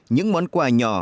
những món quà nhỏ